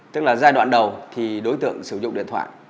tức là giai đoạn đầu thì đối tượng sử dụng điện thoại